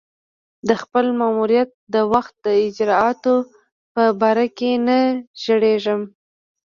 د خپل ماموریت د وخت د اجرآتو په باره کې نه ږغېږم.